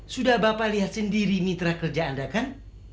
sudah bapak lihat sendiri mitra kerja anda kan